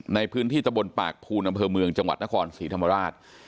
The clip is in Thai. ในพื้นที่ตะบนปากภูนอำเภอเมืองจังหวัดนครศรีธรรมราช